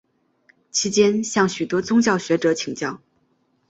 期间向许多宗教学者请教。